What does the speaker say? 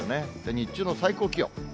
日中の最高気温。